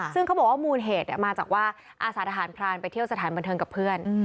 ซึ่งเขาบอกว่ามูลเหตุมาจากว่าอาสาทหารพรานไปเที่ยวสถานบันเทิงกับเพื่อน